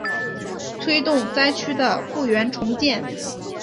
推动灾区的复原重建